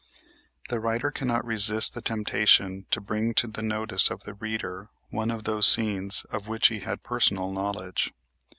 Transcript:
The writer cannot resist the temptation to bring to the notice of the reader one of those scenes of which he had personal knowledge.